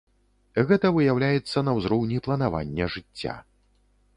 Гэта выяўляецца на ўзроўні планавання жыцця.